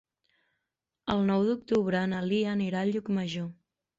El nou d'octubre na Lia anirà a Llucmajor.